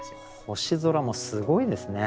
星空もすごいですね。